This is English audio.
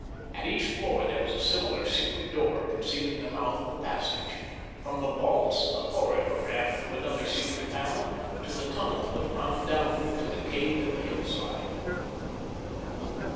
At each floor there was a similar secret door concealing the mouth of the passage. From the vaults a corridor led through another secret panel to the tunnel that wound downward to the cave in the hillside.